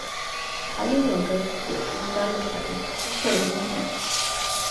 她拥有一个水晶般的嗓音和宽阔的音域。